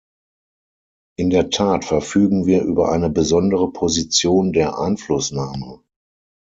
In der Tat verfügen wir über eine besondere Position der Einflussnahme.